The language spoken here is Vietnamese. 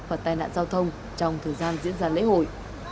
và tai nạn giao thông trong thời gian diễn ra lễ hội